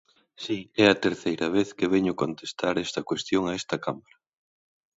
Si, é a terceira vez que veño contestar esta cuestión a esta Cámara.